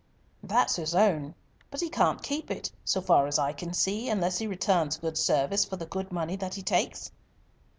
That's his own. But he can't keep it, so far as I can see, unless he returns good service for the good money that he takes."